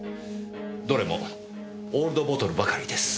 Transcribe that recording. どれもオールドボトルばかりです。